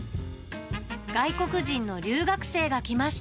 外国人の留学生が来ました。